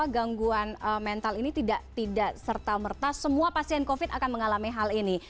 gangguan mental ini tidak serta merta semua pasien covid akan mengalami hal ini